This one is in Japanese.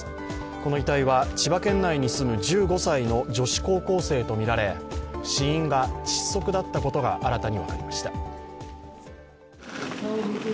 この遺体は千葉県内に住む１５歳の女子高校生とみられ死因が窒息だったことが新たに分かりました。